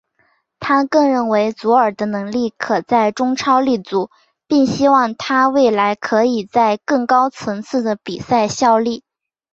他更认为以祖尔的能力可在中超立足并希望他未来可以在更高层次的比赛效力。